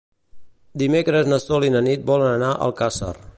Dimecres na Sol i na Nit volen anar a Alcàsser.